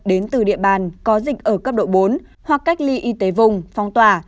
đến từ địa bàn có dịch ở cấp độ bốn hoặc cách ly y tế vùng phong tỏa